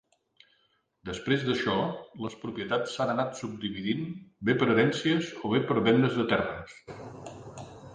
Després d'això, les propietats s'han anat subdividint bé per herències o bé per vendes de terres.